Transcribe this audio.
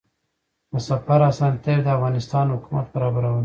د سفر اسانتیاوې د افغانستان حکومت برابرولې.